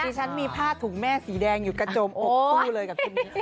ดิฉันมีผ้าถุงแม่สีแดงอยู่กระโจมอกคู่เลยกับคุณมิ้น